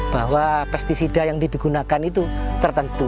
bahwa pesticida yang digunakan itu tertentu